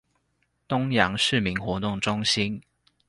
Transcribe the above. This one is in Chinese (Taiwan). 東陽市民活動中心